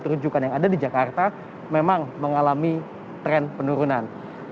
terujukan yang ada di jakarta memang mengalami tren penurunan